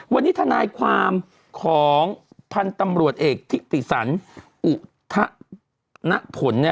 วันนี้ทนายความของพันธุ์ตำรวจเอกทิติสันอุทธณผล